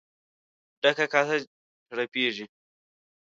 ډکه کاسه چړپېږي.